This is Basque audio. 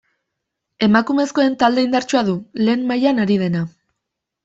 Emakumezkoen talde indartsua du, lehen mailan ari dena.